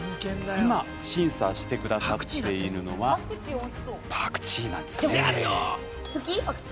今、審査してくださっているのはパクチーなんですね。